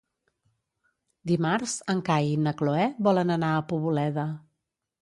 Dimarts en Cai i na Cloè volen anar a Poboleda.